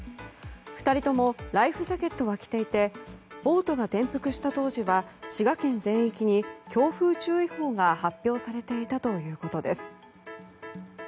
２人ともライフジャケットは着ていてボートが転覆した当時は滋賀県全域に強風注意報が発表されていたということです。